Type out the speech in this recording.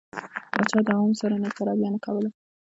پاچا د عوامو سره نيکه رويه نه کوله.